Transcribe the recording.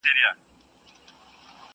دوی پښتون غزل منلی په جهان دی.